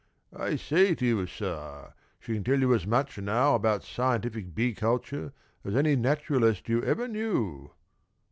I say to you, sir, she can tell you as much now about scientific bee culture as any naturalist you ever knew.